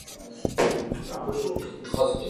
カーテンを閉める